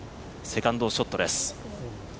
セカンドショットです。